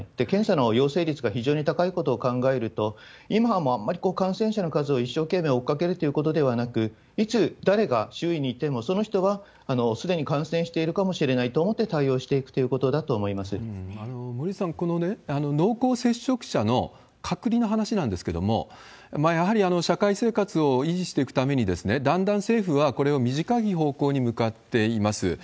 検査の陽性率が非常に高いことを考えると、今はあんまり感染者の数を一生懸命追っかけるということではなく、いつ、誰が周囲にいても、その人がすでに感染しているかもしれないと思って対応していくと森内さん、この濃厚接触者の隔離の話なんですけれども、やはり社会生活を維持していくために、だんだん政府はこれを短い方向に向かっています。